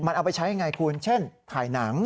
มันเอาไปใช้ยังไงคุณเช่นถ่ายหนัง